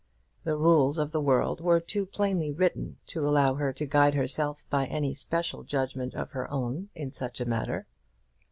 The rules of the world were too plainly written to allow her to guide herself by any special judgment of her own in such a matter.